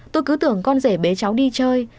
tôi cứ tưởng con rể bế cháu đi chơi